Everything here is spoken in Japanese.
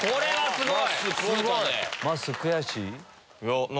すごい！